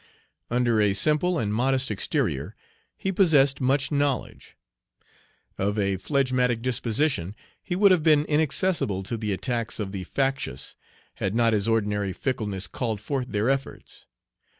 Under a simple and modest exterior, he possessed much knowledge; of a phlegmatic disposition, he would have been inaccessible to the attacks of the factious, had not his ordinary fickleness called forth their efforts.